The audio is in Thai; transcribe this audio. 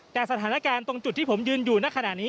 แต่สถานการณ์ตรงจุดที่ผมยืนอยู่ในขณะนี้